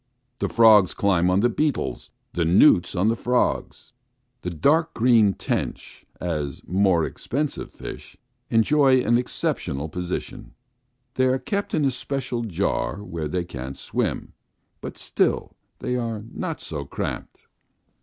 The frogs climb on the beetles, the newts on the frogs. The dark green tench, as more expensive fish, enjoy an exceptional position; they are kept in a special jar where they can't swim, but still they are not so cramped.